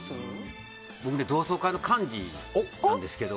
僕、同窓会の幹事なんですけど。